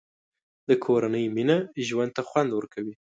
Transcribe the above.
د کورنۍ مینه ژوند ته خوند ورکوي.